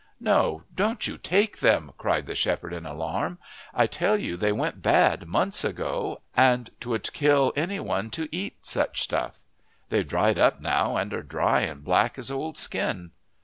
"No, don't you take them!" cried the shepherd in alarm; "I tell you they went bad months ago, and 'twould kill anyone to eat such stuff. They've dried up now, and are dry and black as old skin."